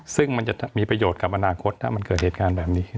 ซึ่งมันจะมีประโยชน์กับอนาคตถ้ามันเกิดเหตุการณ์แบบนี้ขึ้น